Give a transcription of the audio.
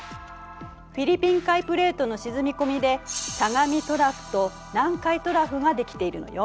フィリピン海プレートの沈み込みで「相模トラフ」と「南海トラフ」ができているのよ。